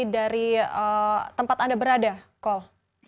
dari tempat anda berada kol